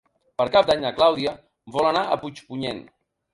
Per Cap d'Any na Clàudia vol anar a Puigpunyent.